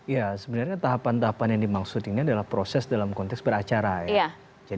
ya sebenarnya tahapan tahapan yang dimaksud ini adalah proses dalam konteks beracara ya